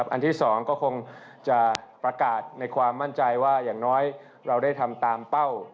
อันที่๒ก็คงจะประกาศในความมั่นใจว่าอย่างน้อยเราได้ทำตามเป้า